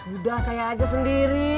udah saya aja sendiri